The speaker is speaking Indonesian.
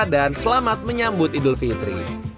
dan selamat menyambut idul fitri